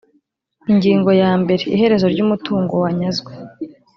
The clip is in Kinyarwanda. ingingo yambere iherezo ry umutungo wanyazwe